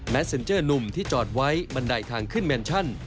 เซ็นเจอร์หนุ่มที่จอดไว้บันไดทางขึ้นแมนชั่น